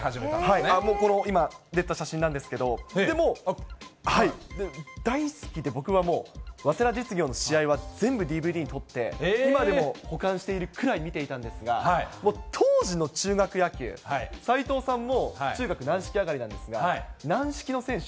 この今、出てた写真なんですけど、大好きで、僕はもう、早稲田実業の試合は全部ＤＶＤに撮って、今でも保管しているくらい見ていたんですが、当時の中学野球、斎藤さんも中学軟式上がりなんですが、軟式の選手